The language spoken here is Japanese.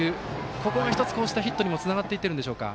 ここが１つ、こうしたヒットにもつながってきてるんでしょうか。